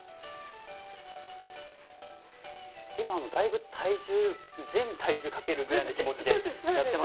今あのだいぶ体重全体重かけるぐらいの気持ちでやってます。